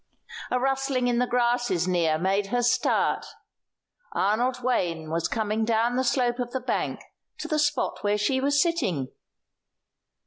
A rustling in the grasses near made her start. Arnold Wayne was coming down the slope of the bank to the spot where she was sitting.